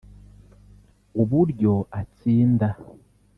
uburyo atsinda